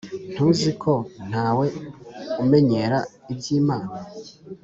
ntuziko ntawe umenyera iby’imana